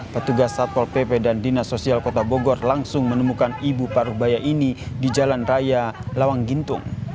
petugas satpol pp dan dinas sosial kota bogor langsung menemukan ibu paruh baya ini di jalan raya lawang gintung